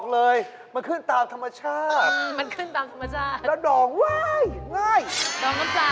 หนังยางมันจะเส้นไขมั้ง